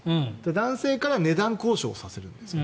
男性から値段交渉させるんです。